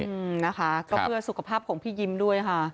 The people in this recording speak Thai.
อืมนะคะก็เพื่อสุขภาพของพี่ยิ้มด้วยค่ะ